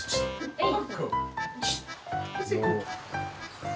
はい。